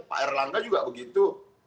pak erlangga juga begitu